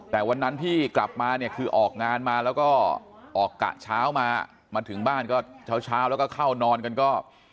แต่วันนั้นที่กลับมาเนี่ยคือออกงานมาแล้วก็ออกกะเช้ามามาถึงบ้านก็เช้าแล้วก็เข้านอนกันก็